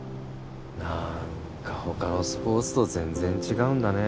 何か他のスポーツと全然違うんだね